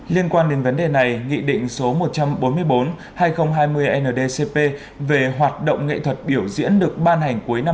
liên quan đến vấn đề này nghị định số một trăm bốn mươi bốn hai nghìn hai mươi ndcp về hoạt động nghệ thuật biểu diễn được ban hành cuối năm hai nghìn hai mươi